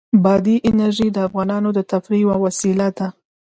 بادي انرژي د افغانانو د تفریح یوه وسیله ده.